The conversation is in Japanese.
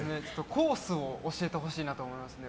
コースを教えてほしいなと思いますね。